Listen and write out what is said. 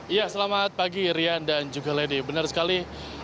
ya selamat pagi rian dan juga lady benar sekali